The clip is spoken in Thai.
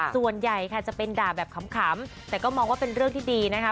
ส่วนใหญ่ค่ะจะเป็นด่าแบบขำแต่ก็มองว่าเป็นเรื่องที่ดีนะคะ